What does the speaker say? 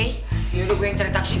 yaudah gue yang tarik taksi dulu